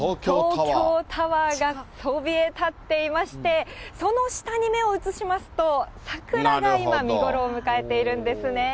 東京タワーがそびえたっていまして、その下に目を移しますと、桜が今、見頃を迎えているんですね。